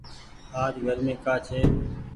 آج گرمي ڪآ ڇي ۔